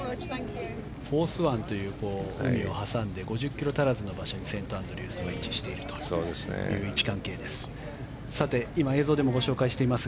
フォース湾という海を挟んで５０ｋｍ足らずの場所にセントアンドリュースが位置しているという位置関係です。